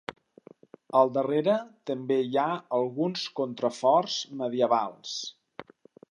Al darrere també hi ha alguns contraforts medievals.